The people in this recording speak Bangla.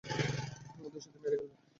ওদের সত্যিই মেরে ফেলবে?